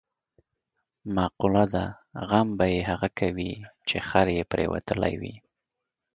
مقوله ده: غم به یې هغه کوي، چې خر یې پرېوتلی وي.